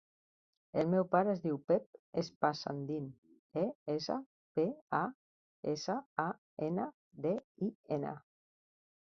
El meu pare es diu Pep Espasandin: e, essa, pe, a, essa, a, ena, de, i, ena.